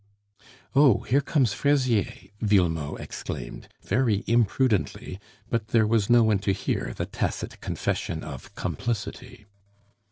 "Oh! here comes Fraisier!" Villemot exclaimed, very imprudently; but there was no one to hear the tacit confession of complicity.